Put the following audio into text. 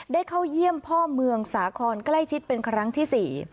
เข้าเยี่ยมพ่อเมืองสาครใกล้ชิดเป็นครั้งที่สี่